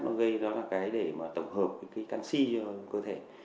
nó gây ra để tổng hợp canxi cơ thể